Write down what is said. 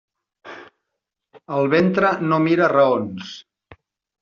El ventre no mira raons.